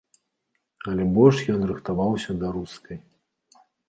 Але больш ён рыхтаваўся да рускай.